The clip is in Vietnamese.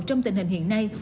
trong tình hình hiện nay